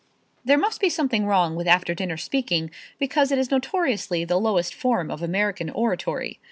There must be something wrong with after dinner speaking because it is notoriously the lowest form of American oratory.